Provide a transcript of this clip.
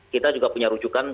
kita juga punya rujuknya